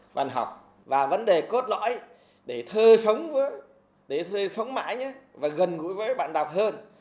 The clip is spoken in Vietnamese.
bạn học và vấn đề cốt lõi để thơ sống mãi và gần gũi với bạn đọc hơn